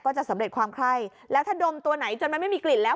จะสำเร็จความไข้แล้วถ้าดมตัวไหนจนมันไม่มีกลิ่นแล้ว